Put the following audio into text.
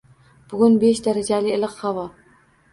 Bugun besh darajali iliq havo